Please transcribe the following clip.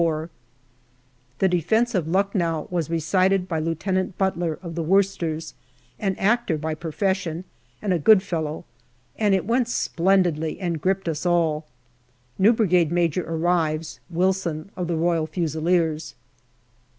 rf The Defence of Lucknow " was recited by Lieutenant Butler, of the Worcesters, an actor by profession and a good fellow, and it went splendidly and gripped us all. New Brigade Major arrives, Wilson, of the Royal Fusiliers.